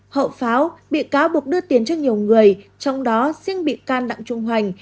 hậu pháo bị cáo buộc đưa tiền cho nhiều người trong đó riêng bị can đặng trung hoành